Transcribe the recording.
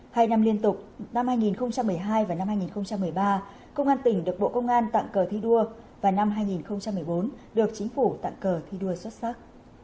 hai năm liên tục năm hai nghìn một mươi hai và năm hai nghìn một mươi ba công an tỉnh được bộ công an tặng cờ thi đua và năm hai nghìn một mươi bốn được chính phủ tặng cờ thi đua xuất sắc